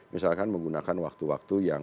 misalkan menggunakan waktu waktu yang